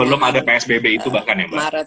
belum ada psbb itu bahkan ya mbak